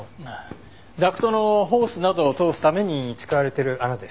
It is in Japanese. ダクトのホースなどを通すために使われてる穴です。